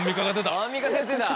アンミカ先生だ。